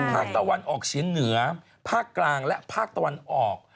ภาคตะวันออกเฉียงเหนือภาคกลางและภาคตะวันออก